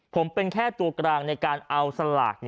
ผมเป็นแค่ตัวกลางในการเอาสลาก